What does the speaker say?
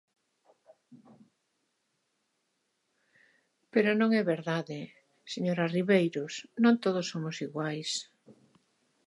Pero non é verdade, señora Ribeiros, non todos somos iguais.